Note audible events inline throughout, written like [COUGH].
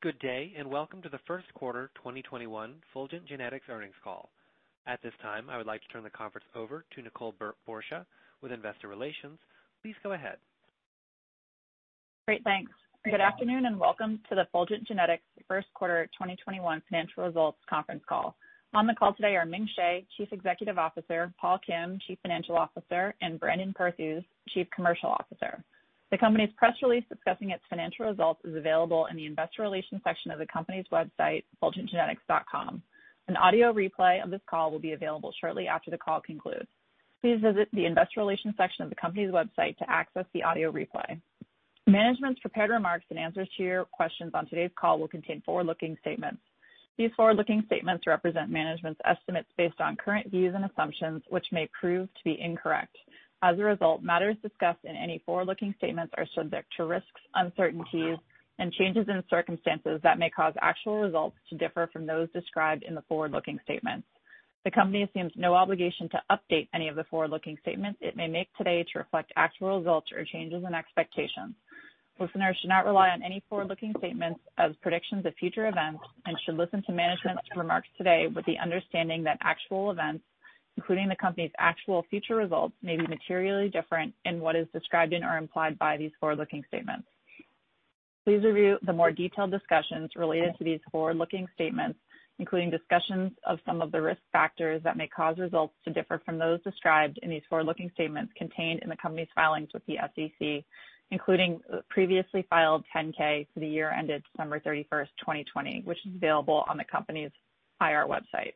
Good day, welcome to the first quarter 2021 Fulgent Genetics earnings call. At this time, I would like to turn the conference over to Nicole Borsje with investor relations. Please go ahead. Great. Thanks. Good afternoon, welcome to the Fulgent Genetics first quarter 2021 financial results conference call. On the call today are Ming Hsieh, Chief Executive Officer, Paul Kim, Chief Financial Officer, and Brandon Perthuis, Chief Commercial Officer. The company's press release discussing its financial results is available in the investor relations section of the company's website, fulgentgenetics.com. An audio replay of this call will be available shortly after the call concludes. Please visit the investor relations section of the company's website to access the audio replay. Management's prepared remarks and answers to your questions on today's call will contain forward-looking statements. These forward-looking statements represent management's estimates based on current views and assumptions, which may prove to be incorrect. As a result, matters discussed in any forward-looking statements are subject to risks, uncertainties, and changes in circumstances that may cause actual results to differ from those described in the forward-looking statements. The company assumes no obligation to update any of the forward-looking statements it may make today to reflect actual results or changes in expectations. Listeners should not rely on any forward-looking statements as predictions of future events and should listen to management's remarks today with the understanding that actual events, including the company's actual future results, may be materially different in what is described in or implied by these forward-looking statements. Please review the more detailed discussions related to these forward-looking statements, including discussions of some of the risk factors that may cause results to differ from those described in these forward-looking statements contained in the company's filings with the SEC, including previously filed 10-K for the year ended December 31st, 2020, which is available on the company's IR website.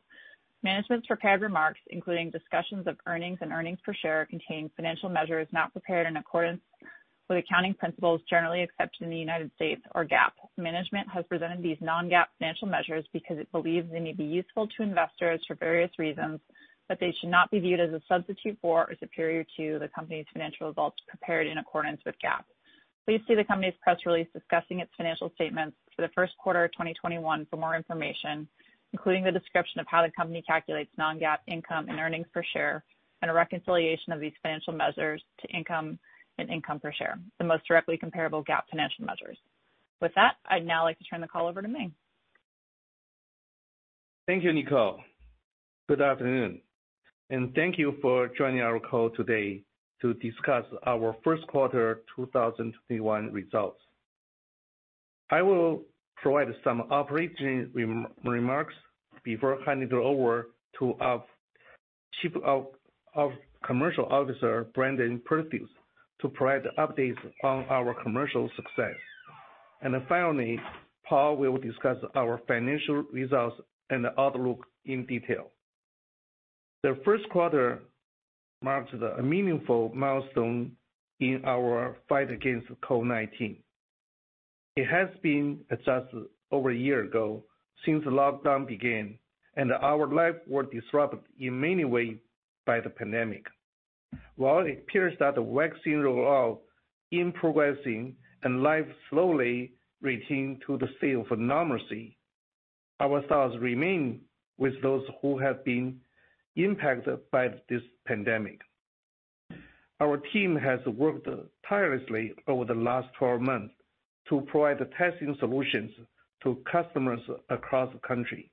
Management's prepared remarks, including discussions of earnings and earnings per share, contain financial measures not prepared in accordance with accounting principles generally accepted in the United States or GAAP. Management has presented these non-GAAP financial measures because it believes they may be useful to investors for various reasons, but they should not be viewed as a substitute for or superior to the company's financial results prepared in accordance with GAAP. Please see the company's press release discussing its financial statements for the first quarter of 2021 for more information, including the description of how the company calculates non-GAAP income and earnings per share, and a reconciliation of these financial measures to income and income per share, the most directly comparable GAAP financial measures. With that, I'd now like to turn the call over to Ming. Thank you, Nicole. Good afternoon and thank you for joining our call today to discuss our first quarter 2021 results. I will provide some operating remarks before handing it over to our Chief Commercial Officer, Brandon Perthuis, to provide updates on our commercial success. Finally, Paul will discuss our financial results and outlook in detail. The first quarter marks a meaningful milestone in our fight against COVID-19. It has been just over a year ago since the lockdown began and our lives were disrupted in many ways by the pandemic. While it appears that the vaccine rollout is progressing and life slowly returns to the state of normalcy, our thoughts remain with those who have been impacted by this pandemic. Our team has worked tirelessly over the last 12 months to provide testing solutions to customers across the country.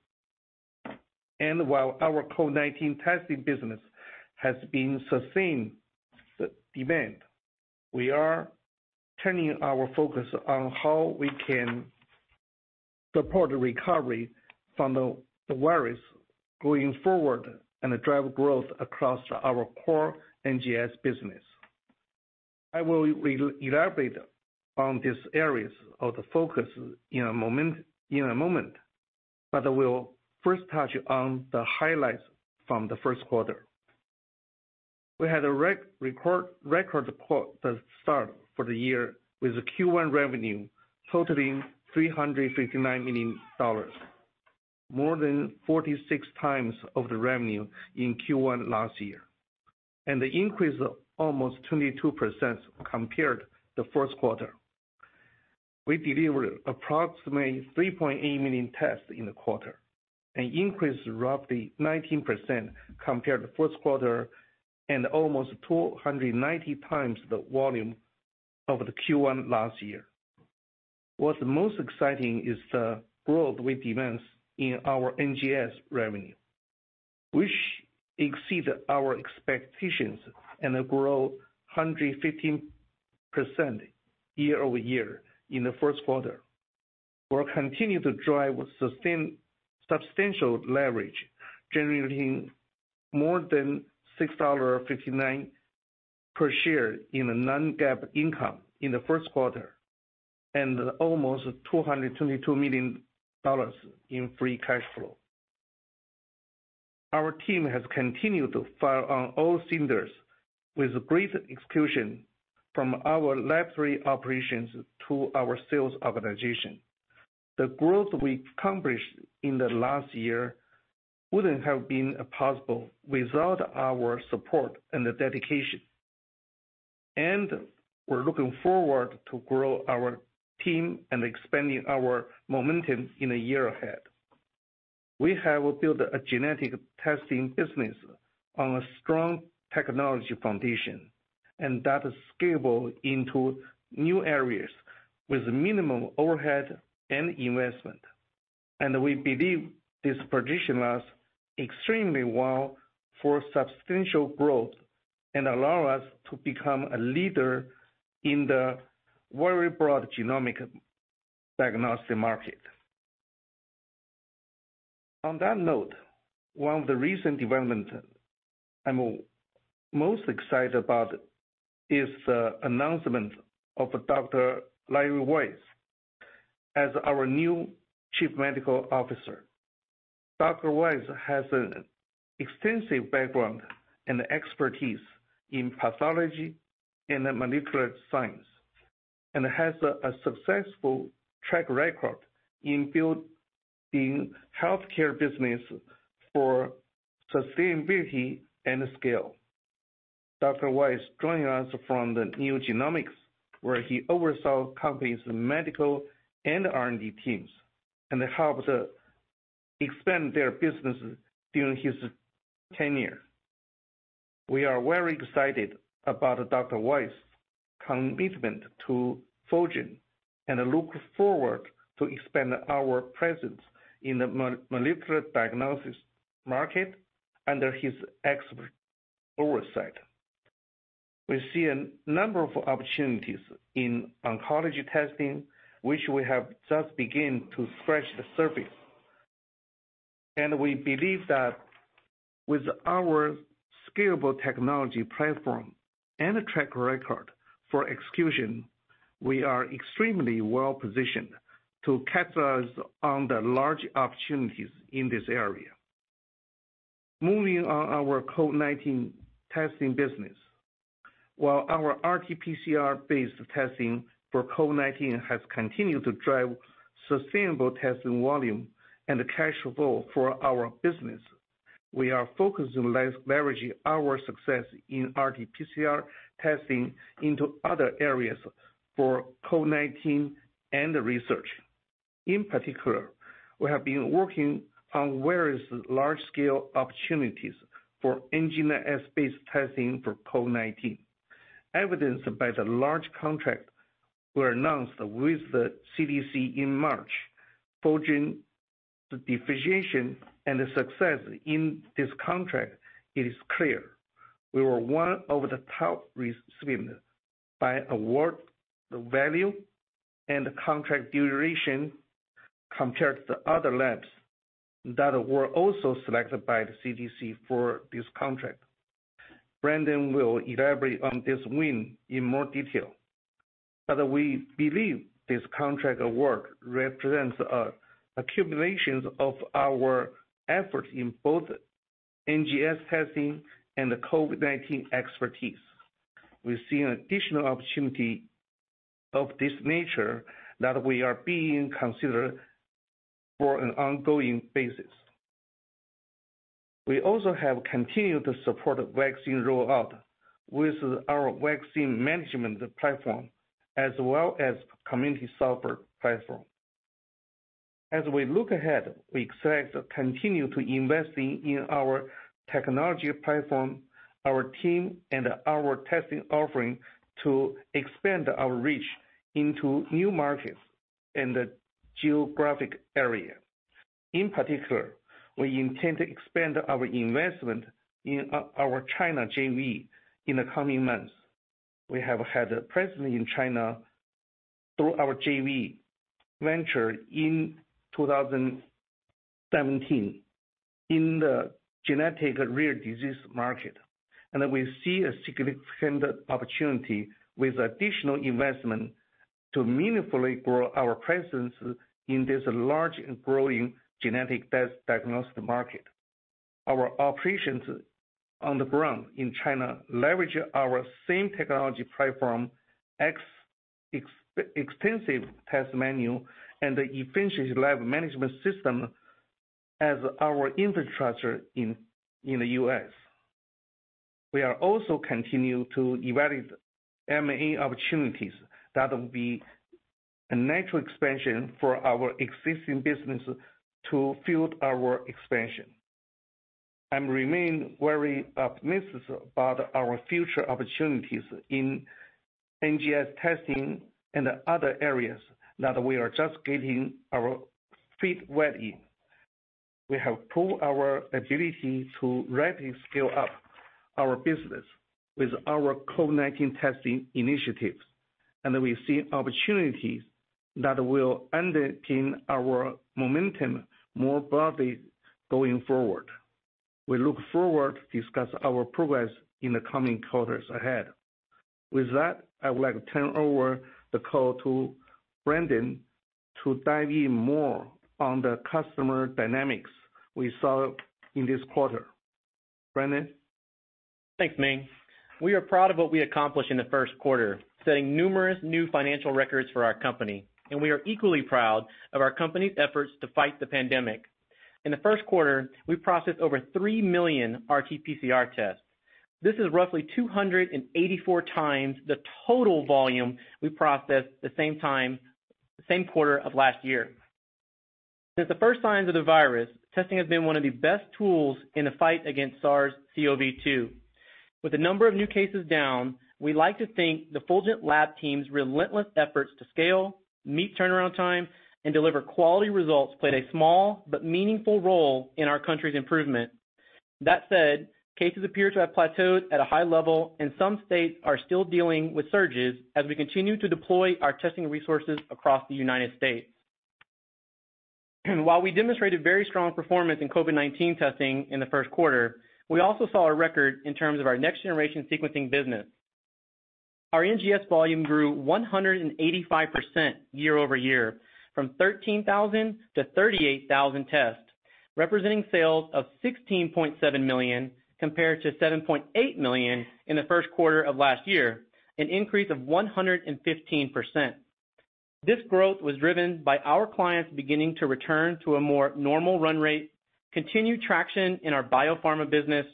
While our COVID-19 testing business has been sustained demand, we are turning our focus on how we can support the recovery from the virus going forward and drive growth across our core NGS business. I will elaborate on these areas of the focus in a moment, but I will first touch on the highlights from the first quarter. We had a record start for the year, with Q1 revenue totaling $359 million, more than 46 times of the revenue in Q1 last year, and an increase of almost 22% compared to the first quarter. We delivered approximately 3.8 million tests in the quarter, an increase of roughly 19% compared to first quarter and almost 290 times the volume of the Q1 last year. What's most exciting is the growth we experienced in our NGS revenue, which exceeded our expectations and grew 115% year-over-year in the first quarter, will continue to drive substantial leverage, generating more than $6.59 per share in non-GAAP income in the first quarter and almost $222 million in free cash flow. Our team has continued to fire on all cylinders with great execution from our lab operations to our sales organization. The growth we accomplished in the last year wouldn't have been possible without our support and dedication. We're looking forward to growing our team and expanding our momentum in the year ahead. We have built a genetic testing business on a strong technology foundation, and that is scalable into new areas with minimum overhead and investment. We believe this positions us extremely well for substantial growth and allow us to become a leader in the very broad genomic diagnostic market. On that note, one of the recent development I'm most excited about is the announcement of Dr. Lawrence Weiss as our new Chief Medical Officer. Dr. Weiss has an extensive background and expertise in pathology and molecular science, and has a successful track record in building healthcare business for sustainability and scale. Dr. Weiss joining us from the NeoGenomics, where he oversaw company's medical and R&D teams, and helped expand their business during his tenure. We are very excited about Dr. Weiss' commitment to Fulgent, and look forward to expand our presence in the molecular diagnosis market under his expert oversight. We see a number of opportunities in oncology testing, which we have just begun to scratch the surface. We believe that with our scalable technology platform and a track record for execution, we are extremely well-positioned to capitalize on the large opportunities in this area. Moving on our COVID-19 testing business. While our RT-PCR-based testing for COVID-19 has continued to drive sustainable testing volume and the cash flow for our business, we are focused on leveraging our success in RT-PCR testing into other areas for COVID-19 and research. In particular, we have been working on various large-scale opportunities for NGS-based testing for COVID-19, evidenced by the large contract we announced with the CDC in March. Fulgent's efficiency and success in this contract, it is clear we were one of the top recipients by award value and contract duration compared to other labs that were also selected by the CDC for this contract. Brandon will elaborate on this win in more detail, but we believe this contract award represents accumulations of our effort in both NGS testing and COVID-19 expertise. We see an additional opportunity of this nature that we are being considered for an ongoing basis. We also have continued to support vaccine rollout with our vaccine management platform, as well as community software platform. As we look ahead, we expect to continue to investing in our technology platform, our team, and our testing offering to expand our reach into new markets and geographic area. In particular, we intend to expand our investment in our China JV in the coming months. We have had a presence in China through our JV venture in 2017 in the genetic rare disease market, and we see a significant opportunity with additional investment to meaningfully grow our presence in this large and growing genetic diagnostic market. Our operations on the ground in China leverage our same technology platform, extensive test menu, and the efficient lab management system as our infrastructure in the U.S. We are also continue to evaluate M&A opportunities that will be a natural expansion for our existing business to fuel our expansion. I remain very optimistic about our future opportunities in NGS testing and other areas that we are just getting our feet wet in. We have proved our ability to rapidly scale up our business with our COVID-19 testing initiatives, and we see opportunities that will underpin our momentum more broadly going forward. We look forward to discuss our progress in the coming quarters ahead. With that, I would like to turn over the call to Brandon to dive in more on the customer dynamics we saw in this quarter. Brandon? Thanks, Ming. We are proud of what we accomplished in the first quarter, setting numerous new financial records for our company, and we are equally proud of our company's efforts to fight the pandemic. In the first quarter, we processed over 3 million RT-PCR tests. This is roughly 284 times the total volume we processed the same quarter of last year. Since the first signs of the virus, testing has been one of the best tools in the fight against SARS-CoV-2. With the number of new cases down, we'd like to thank the Fulgent lab team's relentless efforts to scale, meet turnaround time, and deliver quality results played a small but meaningful role in our country's improvement. That said, cases appear to have plateaued at a high level, and some states are still dealing with surges as we continue to deploy our testing resources across the U.S. While we demonstrated very strong performance in COVID-19 testing in the first quarter, we also saw a record in terms of our next-generation sequencing business. Our NGS volume grew 185% year-over-year from 13,000 to 38,000 tests, representing sales of $16.7 million compared to $7.8 million in the first quarter of last year, an increase of 115%. This growth was driven by our clients beginning to return to a more normal run rate, continued traction in our BioPharma business,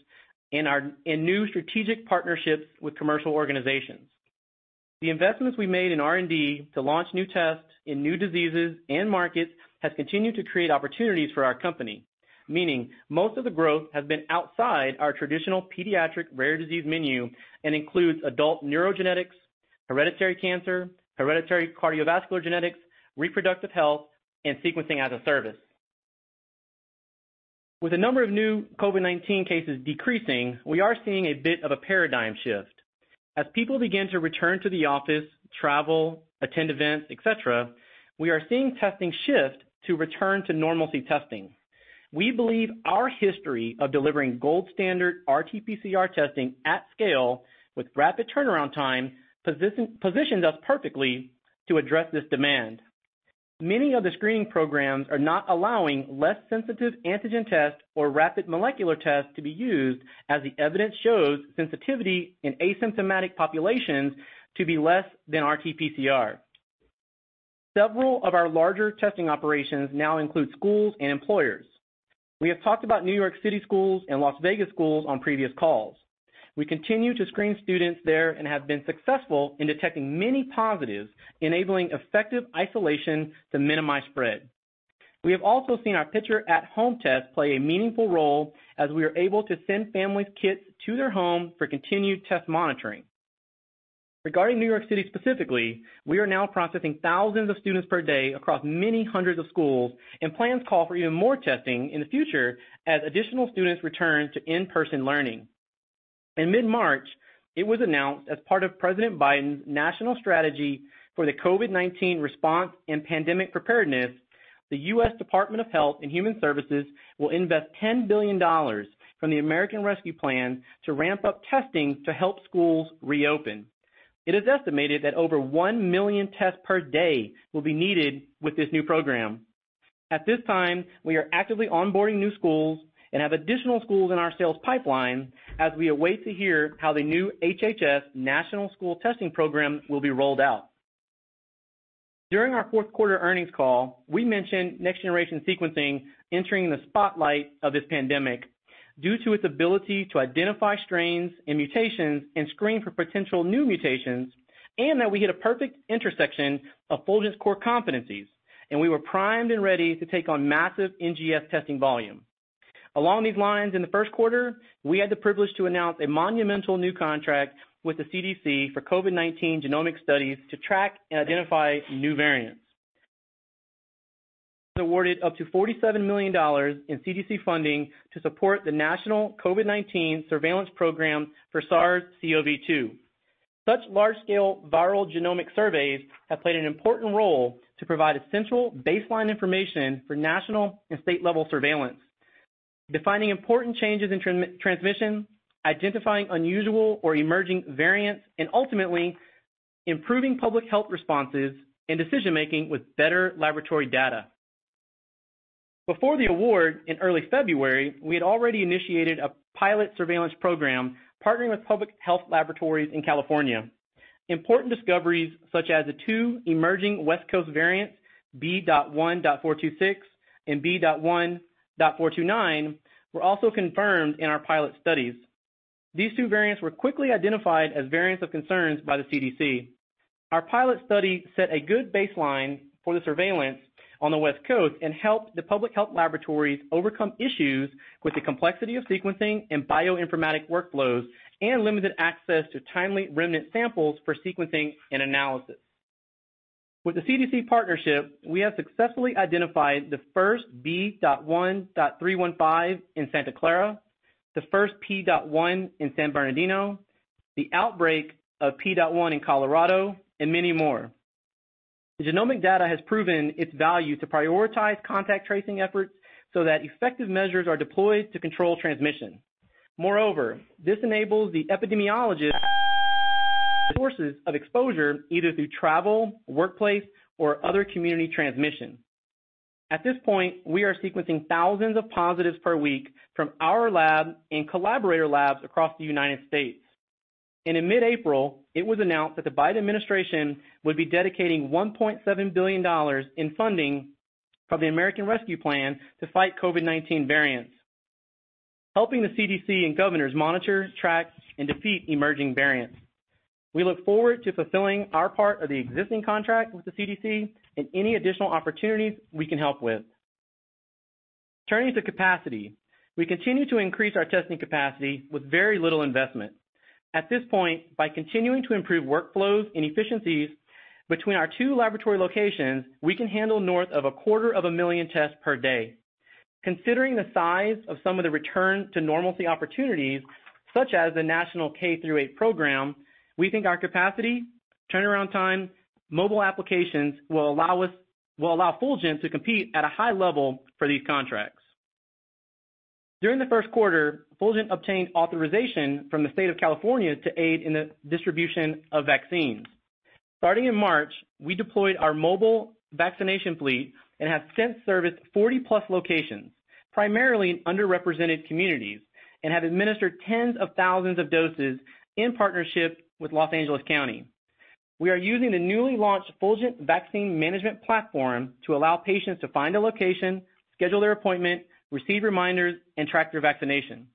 and new strategic partnerships with commercial organizations. The investments we made in R&D to launch new tests in new diseases and markets has continued to create opportunities for our company, meaning most of the growth has been outside our traditional pediatric rare disease menu and includes adult neurogenetics, hereditary cancer, hereditary cardiovascular genetics, reproductive health, and sequencing as a service. With the number of new COVID-19 cases decreasing, we are seeing a bit of a paradigm shift. As people begin to return to the office, travel, attend events, et cetera, we are seeing testing shift to return to normalcy testing. We believe our history of delivering gold standard RT-PCR testing at scale with rapid turnaround time positions us perfectly to address this demand. Many of the screening programs are not allowing less sensitive antigen tests or rapid molecular tests to be used, as the evidence shows sensitivity in asymptomatic populations to be less than RT-PCR. Several of our larger testing operations now include schools and employers. We have talked about New York City schools and Las Vegas schools on previous calls. We continue to screen students there and have been successful in detecting many positives, enabling effective isolation to minimize spread. We have also seen our Picture at Home test play a meaningful role, as we are able to send families kits to their home for continued test monitoring. Regarding New York City specifically, we are now processing thousands of students per day across many hundreds of schools, and plans call for even more testing in the future as additional students return to in-person learning. In mid-March, it was announced as part of President Biden's national strategy for the COVID-19 response and pandemic preparedness, the U.S. Department of Health and Human Services will invest $10 billion from the American Rescue Plan to ramp up testing to help schools reopen. It is estimated that over 1 million tests per day will be needed with this new program. At this time, we are actively onboarding new schools and have additional schools in our sales pipeline as we await to hear how the new HHS National School Testing Program will be rolled out. During our fourth quarter earnings call, we mentioned next-generation sequencing entering the spotlight of this pandemic due to its ability to identify strains and mutations and screen for potential new mutations, and that we hit a perfect intersection of Fulgent's core competencies, and we were primed and ready to take on massive NGS testing volume. Along these lines, in the first quarter, we had the privilege to announce a monumental new contract with the CDC for COVID-19 genomic studies to track and identify new variants. Awarded up to $47 million in CDC funding to support the National COVID-19 Surveillance Program for SARS-CoV-2. Such large-scale viral genomic surveys have played an important role to provide essential baseline information for national and state-level surveillance, defining important changes in transmission, identifying unusual or emerging variants, and ultimately improving public health responses and decision-making with better laboratory data. Before the award in early February, we had already initiated a pilot surveillance program partnering with public health laboratories in California. Important discoveries, such as the two emerging West Coast variants, B.1.46 and B.1.49, were also confirmed in our pilot studies. These two variants were quickly identified as variants of concerns by the CDC. Our pilot study set a good baseline for the surveillance on the West Coast and helped the public health laboratories overcome issues with the complexity of sequencing and bioinformatic workflows and limited access to timely remnant samples for sequencing and analysis. With the CDC partnership, we have successfully identified the first B.1.351 in Santa Clara, the first P.1 in San Bernardino, the outbreak of P.1 in Colorado, and many more. The genomic data has proven its value to prioritize contact tracing efforts so that effective measures are deployed to control transmission. Moreover, this enables the epidemiologic sources of exposure either through travel, workplace, or other community transmission. At this point, we are sequencing thousands of positives per week from our lab and collaborator labs across the United States. In mid-April, it was announced that the Biden administration would be dedicating $1.7 billion in funding from the American Rescue Plan to fight COVID-19 variants, helping the CDC and governors monitor, track, and defeat emerging variants. We look forward to fulfilling our part of the existing contract with the CDC and any additional opportunities we can help with. Turning to capacity, we continue to increase our testing capacity with very little investment. At this point, by continuing to improve workflows and efficiencies between our two laboratory locations, we can handle north of a quarter of a million tests per day. Considering the size of some of the return to normalcy opportunities, such as the National K through eight program, we think our capacity, turnaround time, mobile applications, will allow Fulgent to compete at a high level for these contracts. During the first quarter, Fulgent obtained authorization from the state of California to aid in the distribution of vaccines. Starting in March, we deployed our mobile vaccination fleet and have since serviced 40+ locations, primarily in underrepresented communities, and have administered tens of thousands of doses in partnership with Los Angeles County. We are using the newly launched Fulgent Vaccine Management Platform to allow patients to find a location, schedule their appointment, receive reminders, and track their vaccination.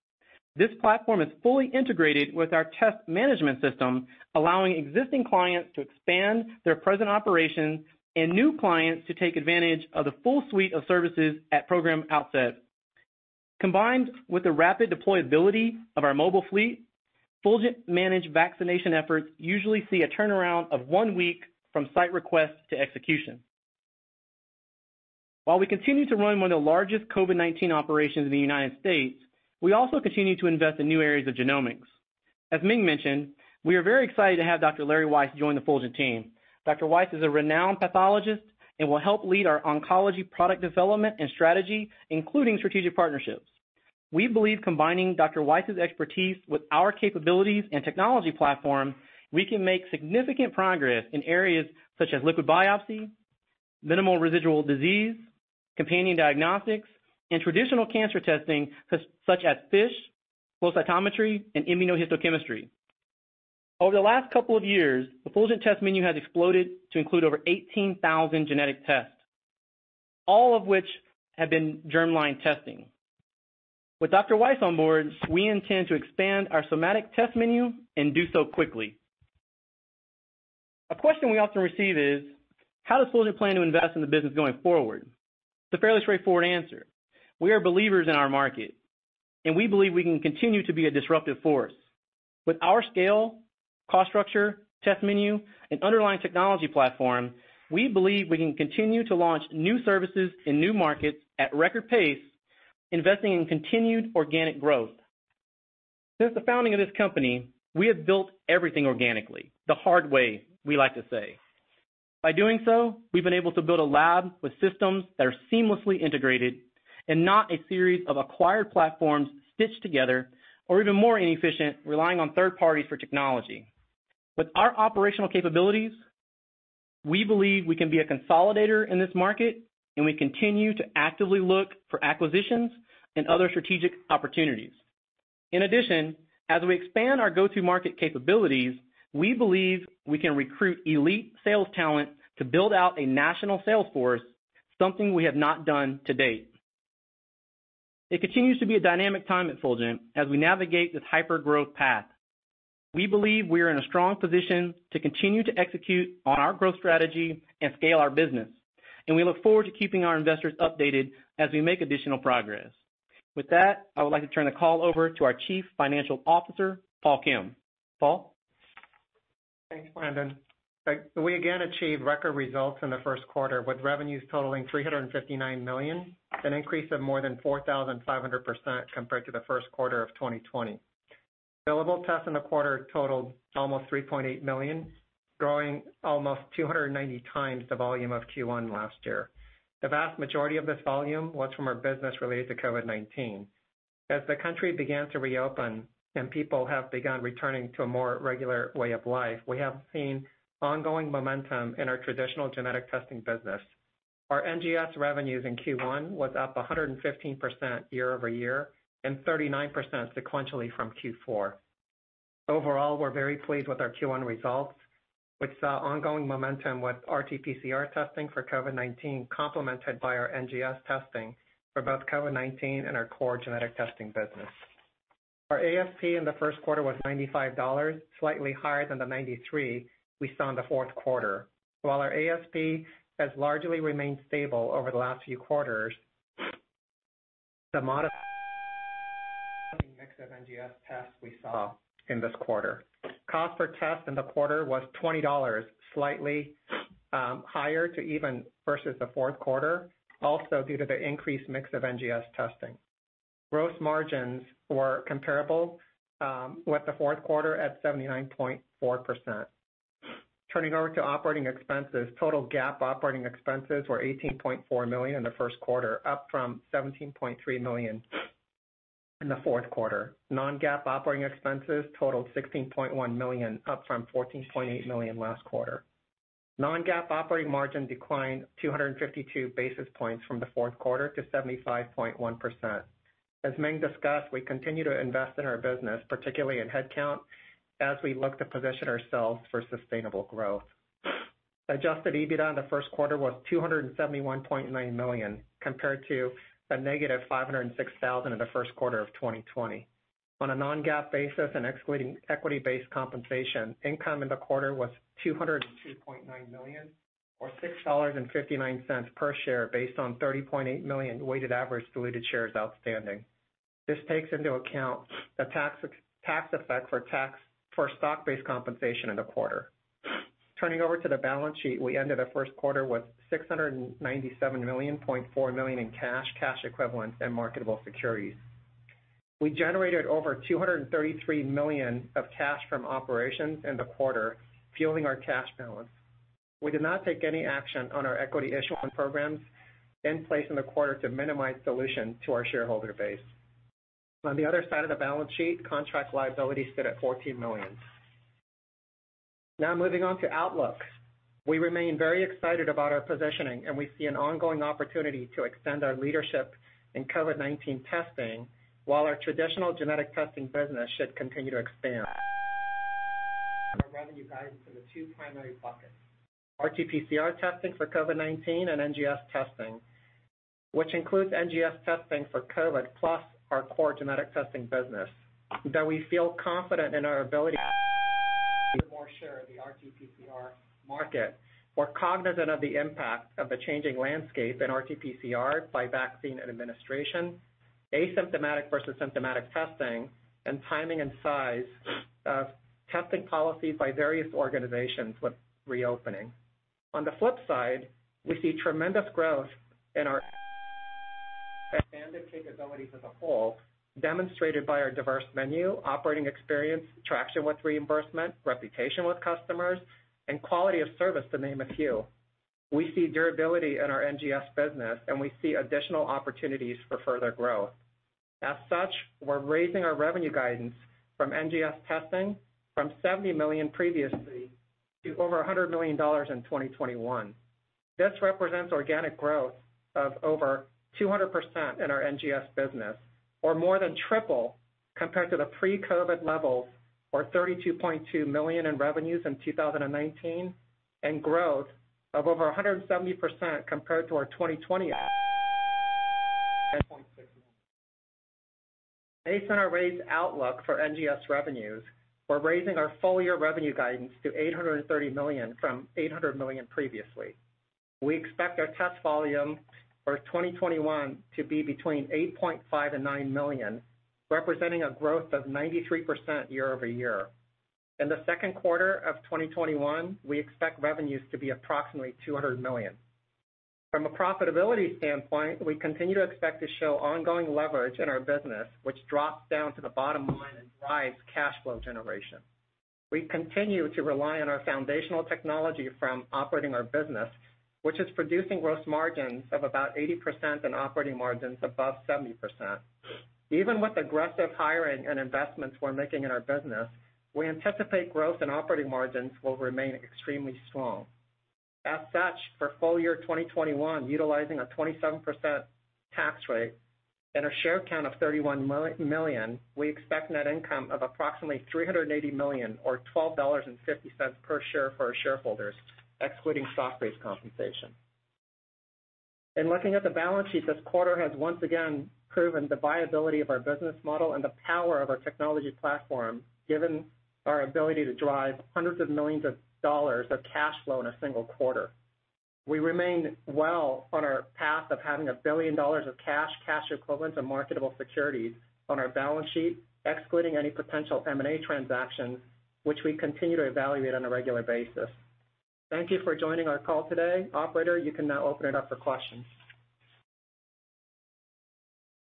This platform is fully integrated with our test management system, allowing existing clients to expand their present operations and new clients to take advantage of the full suite of services at program outset. Combined with the rapid deployability of our mobile fleet, Fulgent-managed vaccination efforts usually see a turnaround of one week from site request to execution. While we continue to run one of the largest COVID-19 operations in the United States, we also continue to invest in new areas of genomics. As Ming mentioned, we are very excited to have Dr. Larry Weiss join the Fulgent team. Dr. Weiss is a renowned pathologist and will help lead our oncology product development and strategy, including strategic partnerships. We believe combining Dr. Weiss's expertise with our capabilities and technology platform, we can make significant progress in areas such as liquid biopsy, minimal residual disease, companion diagnostics, and traditional cancer testing such as FISH, flow cytometry, and immunohistochemistry. Over the last couple of years, the Fulgent test menu has exploded to include over 18,000 genetic tests, all of which have been germline testing. With Dr. Weiss on board, we intend to expand our somatic test menu and do so quickly. A question we often receive is: How does Fulgent plan to invest in the business going forward? It's a fairly straightforward answer. We are believers in our market, and we believe we can continue to be a disruptive force. With our scale, cost structure, test menu, and underlying technology platform, we believe we can continue to launch new services in new markets at record pace, investing in continued organic growth. Since the founding of this company, we have built everything organically, the hard way, we like to say. By doing so, we've been able to build a lab with systems that are seamlessly integrated and not a series of acquired platforms stitched together or, even more inefficient, relying on third parties for technology. With our operational capabilities, we believe we can be a consolidator in this market. We continue to actively look for acquisitions and other strategic opportunities. In addition, as we expand our go-to-market capabilities, we believe we can recruit elite sales talent to build out a national sales force, something we have not done to date. It continues to be a dynamic time at Fulgent as we navigate this hyper-growth path. We believe we are in a strong position to continue to execute on our growth strategy and scale our business, and we look forward to keeping our investors updated as we make additional progress. With that, I would like to turn the call over to our Chief Financial Officer, Paul Kim. Paul? Thanks, Brandon. We again achieved record results in the first quarter, with revenues totaling $359 million, an increase of more than 4,500% compared to the first quarter of 2020. Billable tests in the quarter totaled almost 3.8 million, growing almost 290 times the volume of Q1 last year. The vast majority of this volume was from our business related to COVID-19. As the country began to reopen and people have begun returning to a more regular way of life, we have seen ongoing momentum in our traditional genetic testing business. Our NGS revenues in Q1 was up 115% year-over-year and 39% sequentially from Q4. Overall, we're very pleased with our Q1 results, which saw ongoing momentum with RT-PCR testing for COVID-19, complemented by our NGS testing for both COVID-19 and our core genetic testing business. Our ASP in the first quarter was $95, slightly higher than the $93 we saw in the fourth quarter. While our ASP has largely remained stable over the last few quarters, the mix of NGS tests we saw in this quarter. Cost per test in the quarter was $20, slightly higher to even versus the fourth quarter, also due to the increased mix of NGS testing. Gross margins were comparable with the fourth quarter at 79.4%. Turning over to operating expenses, total GAAP operating expenses were $18.4 million in the first quarter, up from $17.3 million in the fourth quarter. Non-GAAP operating expenses totaled $16.1 million, up from $14.8 million last quarter. Non-GAAP operating margin declined 252 basis points from the fourth quarter to 75.1%. As Ming discussed, we continue to invest in our business, particularly in headcount, as we look to position ourselves for sustainable growth. Adjusted EBITDA in the first quarter was $271.9 million, compared to the negative $506,000 in the first quarter of 2020. On a non-GAAP basis and excluding equity-based compensation, income in the quarter was $202.9 million or $6.59 per share based on 30.8 million weighted average diluted shares outstanding. This takes into account the tax effect for stock-based compensation in the quarter. Turning over to the balance sheet, we ended the first quarter with $697.4 million in cash equivalents, and marketable securities. We generated over $233 million of cash from operations in the quarter, fueling our cash balance. We did not take any action on our equity issuance programs in place in the quarter to minimize dilution to our shareholder base. On the other side of the balance sheet, contract liabilities sit at $14 million. Now, moving on to outlook. We remain very excited about our positioning, and we see an ongoing opportunity to extend our leadership in COVID-19 testing, while our traditional genetic testing business should continue to expand. Our revenue guidance in the two primary buckets, RT-PCR testing for COVID-19 and NGS testing, which includes NGS testing for COVID plus our core genetic testing business, that we feel confident in our ability to gain more share of the RT-PCR market. We're cognizant of the impact of the changing landscape in RT-PCR by vaccine and administration, asymptomatic versus symptomatic testing, and timing and size of testing policies by various organizations with reopening. On the flip side, we see tremendous growth in our expanded capabilities as a whole, demonstrated by our diverse menu, operating experience, traction with reimbursement, reputation with customers, and quality of service, to name a few. We see durability in our NGS business, and we see additional opportunities for further growth. We're raising our revenue guidance from NGS testing from $70 million previously to over $100 million in 2021. This represents organic growth of over 200% in our NGS business, or more than triple compared to the pre-COVID levels or $32.2 million in revenues in 2019, and growth of over 170% compared to our 2020 $10.6 million. Based on our raised outlook for NGS revenues, we're raising our full-year revenue guidance to $830 million from $800 million previously. We expect our test volume for 2021 to be between 8.5 million and 9 million, representing a growth of 93% year-over-year. In the second quarter of 2021, we expect revenues to be approximately $200 million. From a profitability standpoint, we continue to expect to show ongoing leverage in our business, which drops down to the bottom line and drives cash flow generation. We continue to rely on our foundational technology from operating our business, which is producing gross margins of about 80% and operating margins above 70%. Even with aggressive hiring and investments we're making in our business, we anticipate growth and operating margins will remain extremely strong. As such, for full year 2021, utilizing a 27% tax rate and a share count of 31 million, we expect net income of approximately $380 million or $12.50 per share for our shareholders, excluding stock-based compensation. In looking at the balance sheet, this quarter has once again proven the viability of our business model and the power of our technology platform, given our ability to drive hundreds of millions of dollars of cash flow in a single quarter. We remain well on our path of having $1 billion of cash equivalents, and marketable securities on our balance sheet, excluding any potential M&A transactions, which we continue to evaluate on a regular basis. Thank you for joining our call today. Operator, you can now open it up for questions.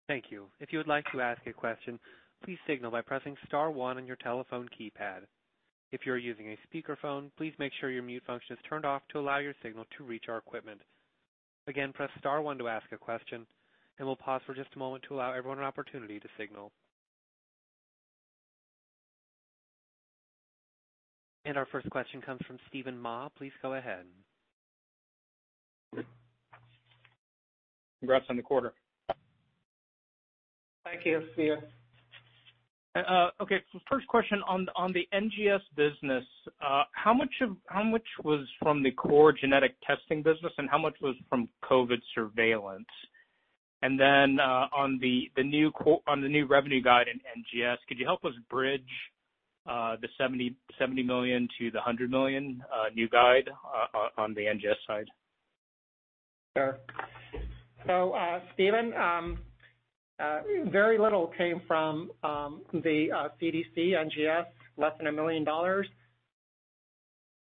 Thank you. If you would like to ask a question, please signal by pressing star one on your telephone keypad. If you are using a speakerphone, please make sure your mute function is turned off to allow your signal to reach our equipment. Again, press star one to ask a question, and we'll pause for just a moment to allow everyone an opportunity to signal. Our first question comes from Steven Ma. Please go ahead. Congrats on the quarter. Thank you, Steven. Okay. First question on the NGS business, how much was from the core genetic testing business and how much was from COVID surveillance? On the new revenue guide in NGS, could you help us bridge the $70 million-$100 million new guide on the NGS side? Steven, very little came from the CDC NGS, less than $1 million.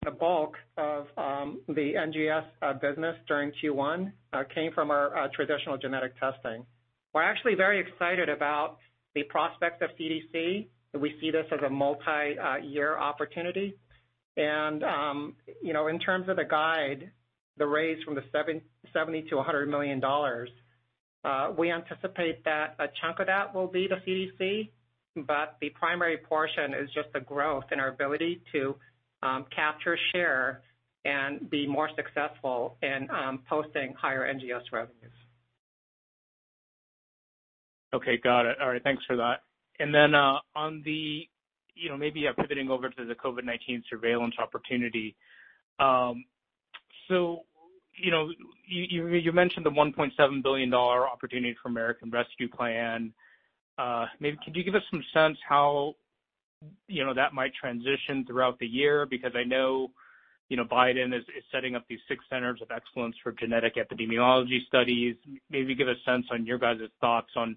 The bulk of the NGS business during Q1 came from our traditional genetic testing. We're actually very excited about the prospects of CDC. We see this as a multi-year opportunity. In terms of the guide, the raise from $70 million to $100 million, we anticipate that a chunk of that will be the CDC, but the primary portion is just the growth in our ability to capture share and be more successful in posting higher NGS revenues. Okay. Got it. All right. Thanks for that. Maybe pivoting over to the COVID-19 surveillance opportunity. You mentioned the $1.7 billion opportunity from American Rescue Plan. Maybe could you give us some sense how that might transition throughout the year? I know Biden is setting up these 6 centers of excellence for genetic epidemiology studies. Maybe give a sense on your guys' thoughts on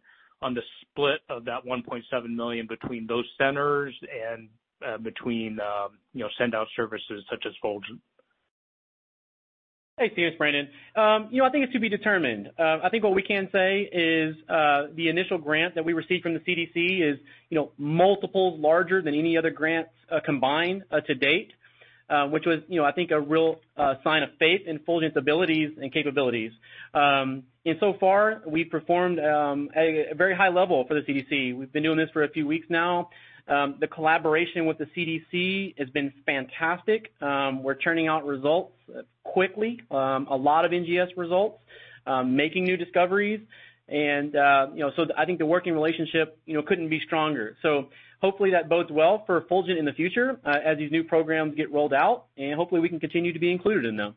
the split of that $1.7 million between those centers and between send-out services such as Fulgent. Hey, Steven. It's Brandon. I think it's to be determined. I think what we can say is the initial grant that we received from the CDC is multiples larger than any other grants combined to date, which was I think, a real sign of faith in Fulgent's abilities and capabilities. So far, we've performed at a very high level for the CDC. We've been doing this for a few weeks now. The collaboration with the CDC has been fantastic. We're churning out results quickly. A lot of NGS results. Making new discoveries. I think the working relationship couldn't be stronger. Hopefully that bodes well for Fulgent in the future, as these new programs get rolled out, and hopefully we can continue to be included in them.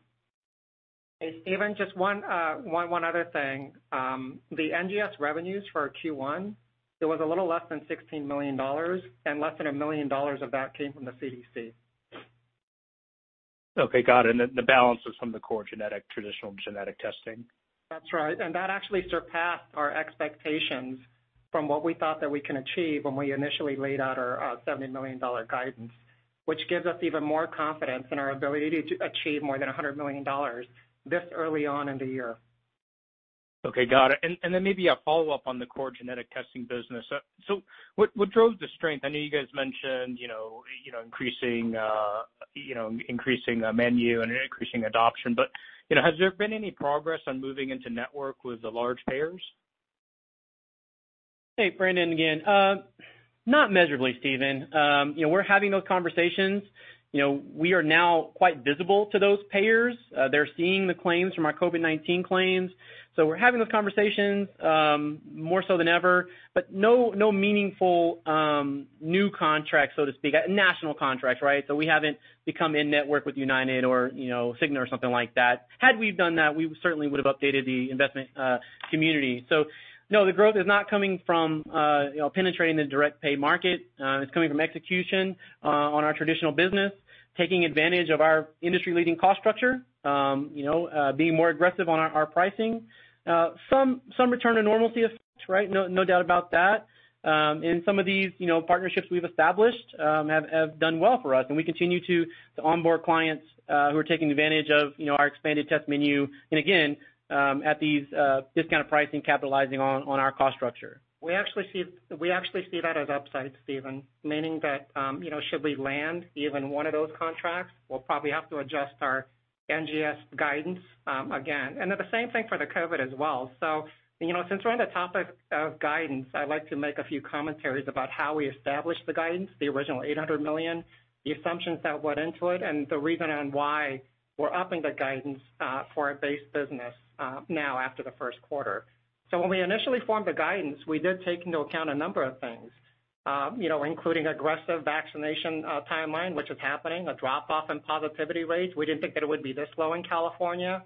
Hey, Steven, just one other thing. The NGS revenues for Q1, it was a little less than $16 million, and less than $1 million of that came from the CDC. Okay. Got it. The balance is from the core genetic, traditional genetic testing. That's right. That actually surpassed our expectations from what we thought that we can achieve when we initially laid out our $70 million guidance, which gives us even more confidence in our ability to achieve more than $100 million this early on in the year. Okay. Got it. Maybe a follow-up on the core genetic testing business. What drove the strength? I know you guys mentioned increasing the menu and increasing adoption, but has there been any progress on moving into network with the large payers? Hey, Brandon again. Not measurably, Steven. We're having those conversations. We are now quite visible to those payers. They're seeing the claims from our COVID-19 claims. We're having those conversations more so than ever, but no meaningful new contracts, so to speak, national contracts, right? We haven't become in-network with United or Cigna or something like that. Had we done that, we certainly would've updated the investment community. No, the growth is not coming from penetrating the direct pay market. It's coming from execution on our traditional business. Taking advantage of our industry-leading cost structure. Being more aggressive on our pricing. Some return to normalcy effects, right? No doubt about that. Some of these partnerships we've established have done well for us, and we continue to onboard clients who are taking advantage of our expanded test menu. Again, at these discounted pricing, capitalizing on our cost structure. We actually see that as upside, Steven, meaning that should we land even one of those contracts, we'll probably have to adjust our NGS guidance again, and the same thing for the COVID as well. Since we're on the topic of guidance, I'd like to make a few commentaries about how we established the guidance, the original $800 million, the assumptions that went into it, and the reason on why we're upping the guidance for our base business now after the first quarter. When we initially formed the guidance, we did take into account a number of things including aggressive vaccination timeline, which is happening, a drop-off in positivity rates. We didn't think that it would be this low in California.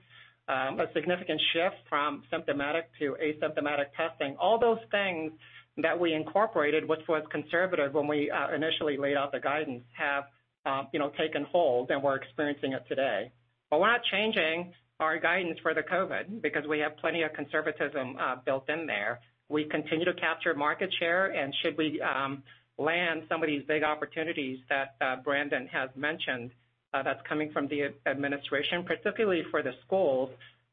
A significant shift from symptomatic to asymptomatic testing. All those things that we incorporated, which was conservative when we initially laid out the guidance have taken hold, and we're experiencing it today. We're not changing our guidance for the COVID because we have plenty of conservatism built in there. We continue to capture market share, and should we land some of these big opportunities that Brandon has mentioned that's coming from the administration, particularly for the schools,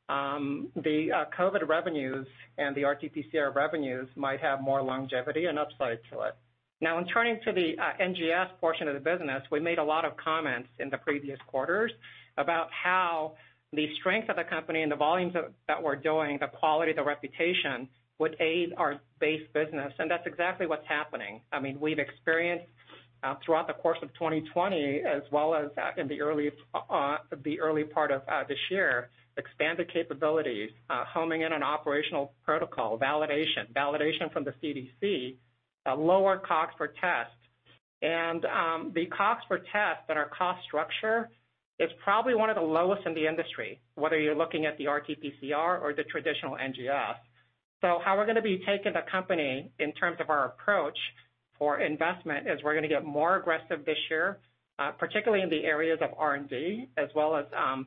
the COVID revenues and the RT-PCR revenues might have more longevity and upside to it. In turning to the NGS portion of the business, we made a lot of comments in the previous quarters about how the strength of the company and the volumes that we're doing, the quality, the reputation, would aid our base business, and that's exactly what's happening. We've experienced throughout the course of 2020, as well as in the early part of this year, expanded capabilities, homing in on operational protocol, validation from the CDC, a lower cost for tests. The cost for tests and our cost structure is probably one of the lowest in the industry, whether you're looking at the RT-PCR or the traditional NGS. How we're going to be taking the company in terms of our approach for investment is we're going to get more aggressive this year, particularly in the areas of R&D as well as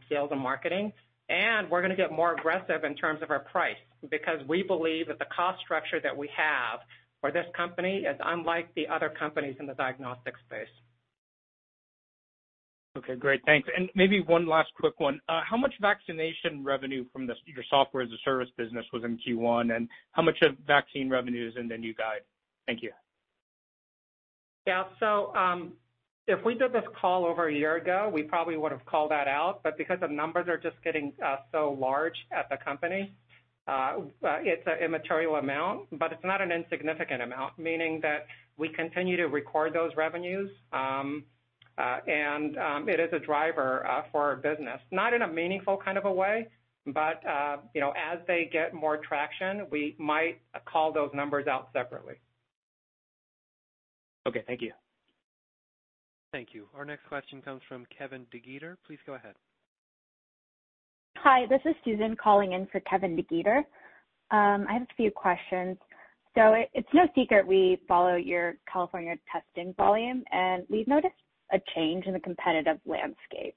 sales and marketing. We're going to get more aggressive in terms of our price, because we believe that the cost structure that we have for this company is unlike the other companies in the diagnostics space. Okay. Great. Thanks. Maybe one last quick one. How much vaccination revenue from your software as a service business was in Q1, and how much of vaccine revenue is in the new guide? Thank you. Yeah. If we did this call over a year ago, we probably would've called that out, but because the numbers are just getting so large at the company, it's a immaterial amount, but it's not an insignificant amount, meaning that we continue to record those revenues. It is a driver for our business. Not in a meaningful kind of a way, but as they get more traction, we might call those numbers out separately. Okay. Thank you. Thank you. Our next question comes from Kevin DeGeeter. Please go ahead. Hi, this is Susan calling in for Kevin DeGeeter. I have a few questions. It's no secret we follow your California testing volume, and we've noticed a change in the competitive landscape.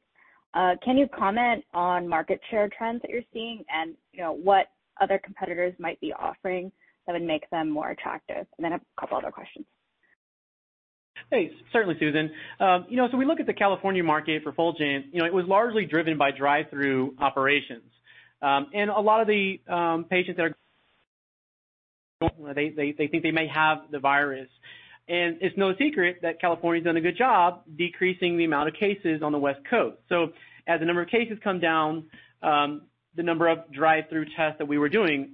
Can you comment on market share trends that you're seeing and what other competitors might be offering that would make them more attractive? I have a couple other questions. Thanks. Certainly, Susan. We look at the California market for Fulgent, it was largely driven by drive-through operations. A lot of the patients that think they may have the virus, and it's no secret that California's done a good job decreasing the amount of cases on the West Coast. As the number of cases come down, the number of drive-through tests that we were doing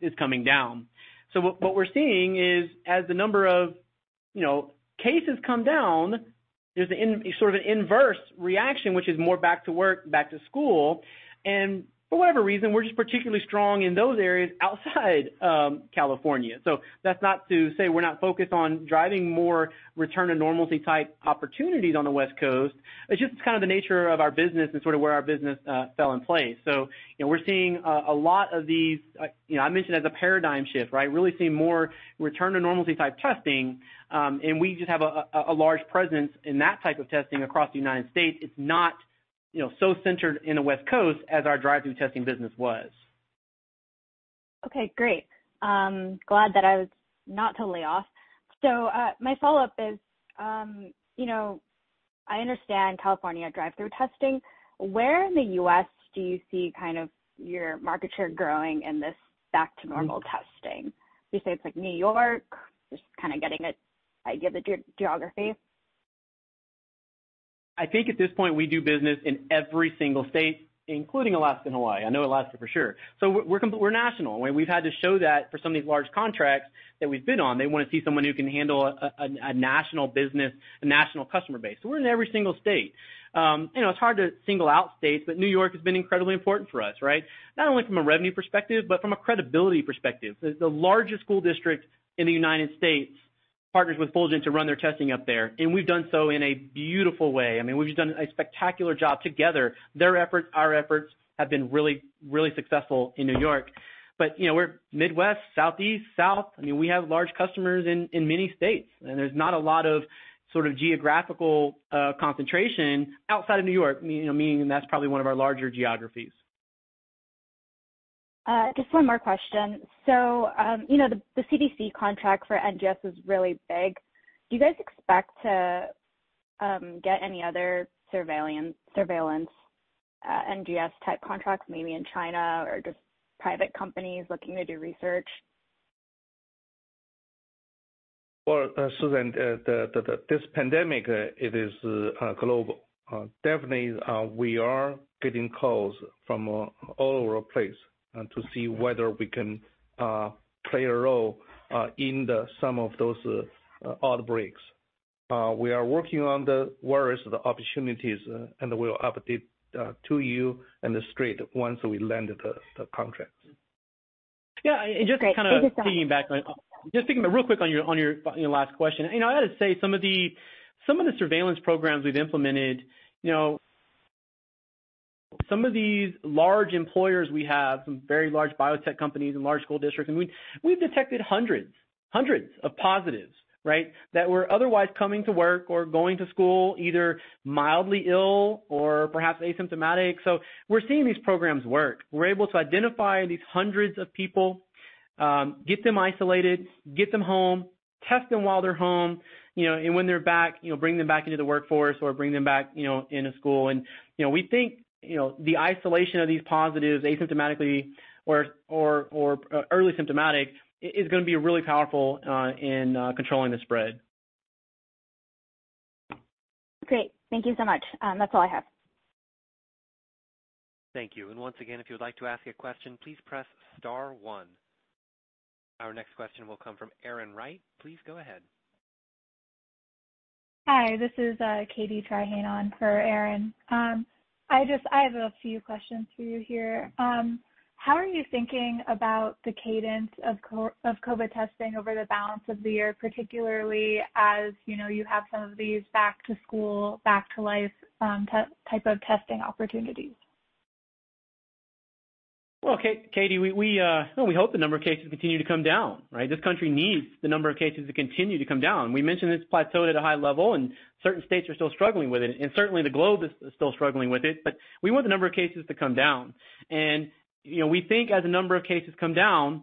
is coming down. What we're seeing is as the number of cases come down, there's sort of an inverse reaction, which is more back to work, back to school, and for whatever reason, we're just particularly strong in those areas outside California. That's not to say we're not focused on driving more return to normalcy type opportunities on the West Coast. It's just kind of the nature of our business and sort of where our business fell in place. We're seeing a lot of these, I mentioned as a paradigm shift, right? Really seeing more return to normalcy type testing. We just have a large presence in that type of testing across the United States. It's not so centered in the West Coast as our drive-through testing business was. Okay, great. Glad that I was not totally off. My follow-up is, I understand California drive-through testing. Where in the U.S. do you see kind of your market share growing in this back to normal testing? Would you say it's like New York? Just kind of getting an idea of the geography. I think at this point we do business in every single state, including Alaska and Hawaii. I know Alaska for sure. We're national, and we've had to show that for some of these large contracts that we've been on. They want to see someone who can handle a national business, a national customer base. We're in every single state. It's hard to single out states, but New York has been incredibly important for us, right? Not only from a revenue perspective, but from a credibility perspective. The largest school district in the United States partners with Fulgent to run their testing up there, and we've done so in a beautiful way. I mean, we've just done a spectacular job together. Their efforts, our efforts, have been really successful in New York. We're Midwest, Southeast, South. I mean, we have large customers in many states, and there's not a lot of sort of geographical concentration outside of New York, meaning that's probably one of our larger geographies. Just one more question. The CDC contract for NGS is really big. Do you guys expect to get any other surveillance NGS type contracts, maybe in China or just private companies looking to do research? Susan, this pandemic, it is global. Definitely, we are getting calls from all over the place to see whether we can play a role in some of those outbreaks. We are working on the various opportunities, we'll update to you and the street once we land the contract. Yeah. Great. Thank you so much. [CROSSTALK] just real quick on your last question. I got to say, some of the surveillance programs we've implemented, some of these large employers we have, some very large biotech companies and large school districts, we've detected hundreds of positives, right, that were otherwise coming to work or going to school either mildly ill or perhaps asymptomatic. We're seeing these programs work. We're able to identify these hundreds of people, get them isolated, get them home, test them while they're home, and when they're back, bring them back into the workforce or bring them back into school. We think the isolation of these positives asymptomatically or early symptomatic, is going to be really powerful in controlling the spread. Great. Thank you so much. That's all I have. Thank you. Once again, if you would like to ask a question, please press star one. Our next question will come from Erin Wright. Please go ahead. Hi, this is Katie Tryhane for Erin. I have a few questions for you here. How are you thinking about the cadence of COVID testing over the balance of the year, particularly as you have some of these back to school, back to life type of testing opportunities? Well, Katie, we hope the number of cases continue to come down, right? This country needs the number of cases to continue to come down. We mentioned it's plateaued at a high level, and certain states are still struggling with it, and certainly the globe is still struggling with it, but we want the number of cases to come down. We think as the number of cases come down,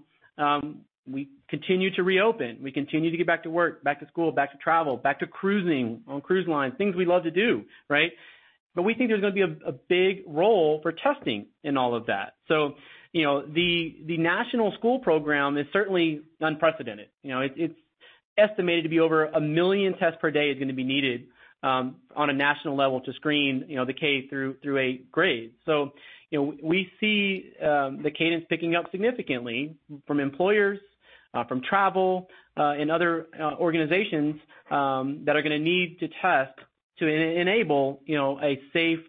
we continue to reopen, we continue to get back to work, back to school, back to travel, back to cruising on cruise lines, things we love to do, right? We think there's going to be a big role for testing in all of that. The national school program is certainly unprecedented. It's estimated to be over 1 million tests per day is going to be needed on a national level to screen the K through eight grades. We see the cadence picking up significantly from employers, from travel, and other organizations that are going to need to test to enable a safe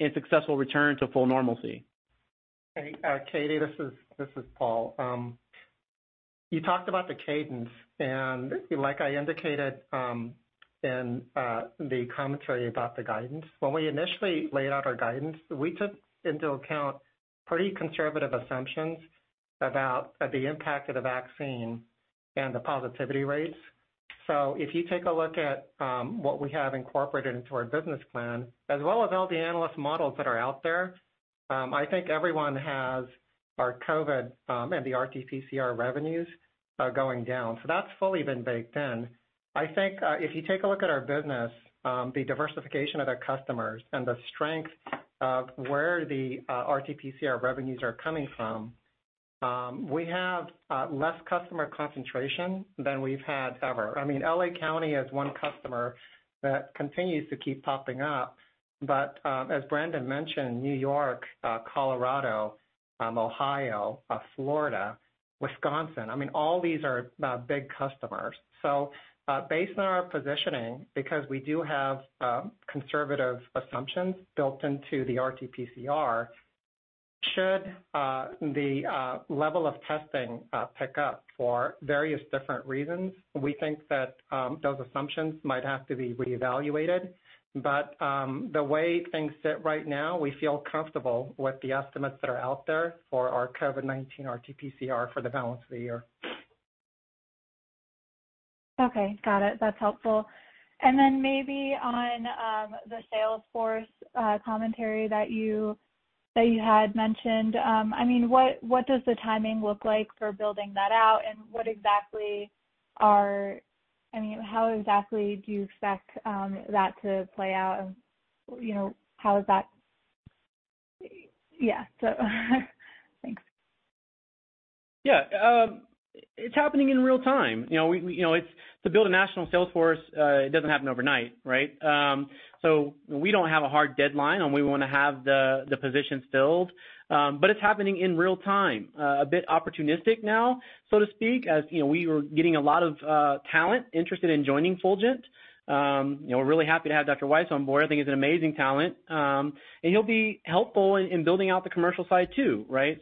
and successful return to full normalcy. Katie, this is Paul. Like I indicated in the commentary about the guidance, when we initially laid out our guidance, we took into account pretty conservative assumptions about the impact of the vaccine and the positivity rates. If you take a look at what we have incorporated into our business plan, as well as all the analyst models that are out there, I think everyone has our COVID and the RT-PCR revenues going down. That's fully been baked in. I think if you take a look at our business, the diversification of our customers and the strength of where the RT-PCR revenues are coming from, we have less customer concentration than we've had ever. L.A. County is one customer that continues to keep popping up. As Brandon mentioned, New York, Colorado, Ohio, Florida, Wisconsin, all these are big customers. Based on our positioning, because we do have conservative assumptions built into the RT-PCR, should the level of testing pick up for various different reasons, we think that those assumptions might have to be reevaluated. The way things sit right now, we feel comfortable with the estimates that are out there for our COVID-19 RT-PCR for the balance of the year. Okay. Got it. That's helpful. Then maybe on the sales force commentary that you had mentioned. What does the timing look like for building that out and how exactly do you expect that to play out and how is that? Thanks. Yeah. It's happening in real-time. To build a national sales force, it doesn't happen overnight, right? We don't have a hard deadline on we want to have the positions filled, but it's happening in real-time. A bit opportunistic now, so to speak, as we were getting a lot of talent interested in joining Fulgent. We're really happy to have Dr. Weiss on board. I think he's an amazing talent. He'll be helpful in building out the commercial side, too, right?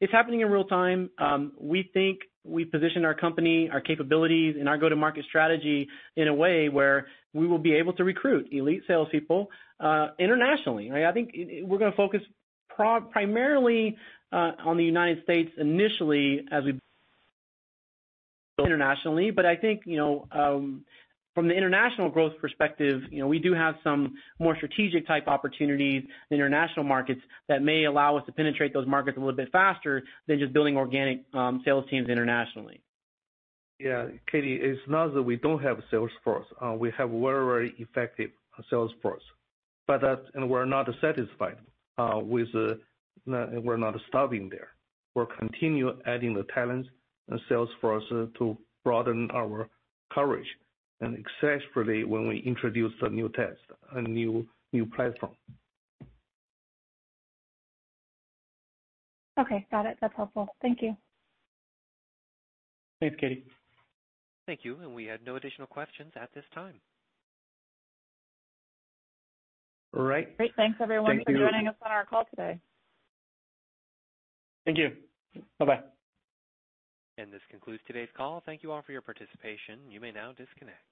It's happening in real-time. We think we positioned our company, our capabilities, and our go-to-market strategy in a way where we will be able to recruit elite salespeople internationally, right? I think we're going to focus primarily on the United States initially as we build internationally. I think, from the international growth perspective, we do have some more strategic type opportunities in international markets that may allow us to penetrate those markets a little bit faster than just building organic sales teams internationally. Katie, it's not that we don't have a sales force. We have very effective sales force. That we're not satisfied with, we're not stopping there. We'll continue adding the talents and sales force to broaden our coverage and successfully when we introduce the new test and new platform. Okay. Got it. That's helpful. Thank you. Thanks, Katie. Thank you. We have no additional questions at this time. All right. Great. Thanks, everyone. Thank you for joining us on our call today. Thank you. Bye-bye. This concludes today's call. Thank you all for your participation. You may now disconnect.